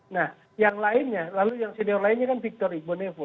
nah yang lainnya lalu yang senior lainnya kan victor iqbanevo